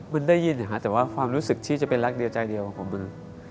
มันได้ยินแต่ว่าความรู้สึกที่จะเป็นรักเดียวใจเดียวของผม